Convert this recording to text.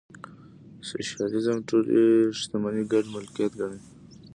سوشیالیزم ټولې شتمنۍ ګډ ملکیت ګڼي.